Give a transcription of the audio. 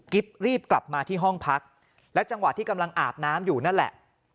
รีบกลับมาที่ห้องพักและจังหวะที่กำลังอาบน้ำอยู่นั่นแหละ